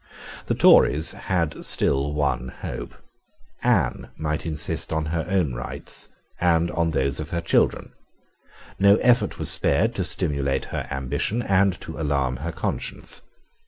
The Tories had still one hope. Anne might insist on her own rights, and on those of her children. No effort was spared to stimulate her ambition, and to alarm her conscience.